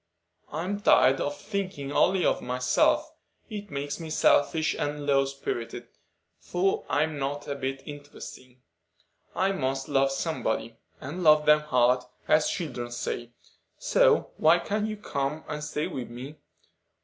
"I'm tired of thinking only of myself. It makes me selfish and low spirited; for I'm not a bit interesting. I must love somebody, and 'love them hard,' as children say; so why can't you come and stay with me?